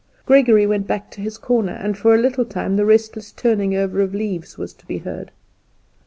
Gregory went back to his corner, and for a little time the restless turning over of leaves was to be heard.